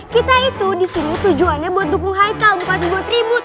kita itu disini tujuannya buat dukung haikal bukan buat ribut